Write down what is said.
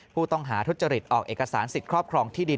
ผู้ต้องหาทุจริตออกเอกสารสิทธิ์ครอบครองที่ดิน